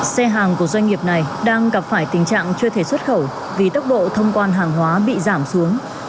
xe hàng của doanh nghiệp này đang gặp phải tình trạng chưa thể xuất khẩu vì tốc độ thông quan hàng hóa bị giảm xuống